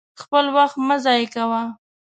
خپل وخت مه ضايع کوه!